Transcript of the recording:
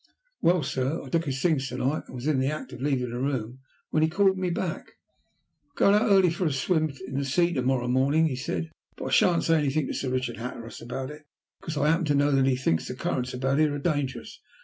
Well, sir, I took his things to night, and was in the act of leaving the room, when he called me back. 'I'm going out early for a swim in the sea to morrow morning,' he said, 'but I shan't say anything to Sir Richard Hatteras about it, because I happen to know that he thinks the currents about here are dangerous.